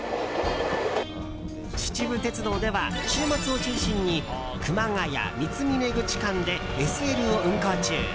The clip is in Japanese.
秩父鉄道では、週末を中心に熊谷三峰口間でＳＬを運行中。